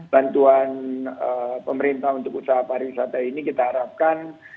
bantuan pemerintah untuk usaha para wisata ini kita harapkan